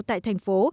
tại thành phố